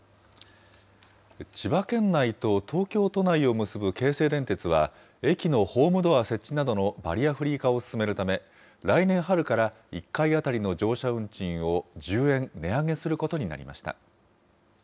千葉県内と東京都内を結ぶ京成電鉄は、駅のホームドア設置などのバリアフリー化を進めるため、来年春から１回当たりの乗車運賃を１０円値上げすることになりました。